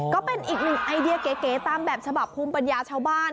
ก็เป็นอีกหนึ่งไอเดียเก๋ตามแบบฉบับภูมิปัญญาชาวบ้าน